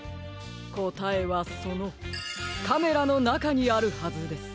こたえはそのカメラのなかにあるはずです。